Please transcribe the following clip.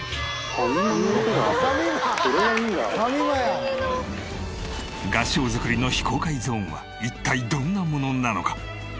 合掌造りの非公開ゾーンは一体どんなものなのか？